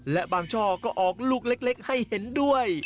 และบางช่อก็ออกลูกเล็กให้เห็นด้วย